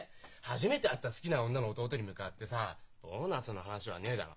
初めて会った好きな女の弟に向かってさボーナスの話はねえだろう。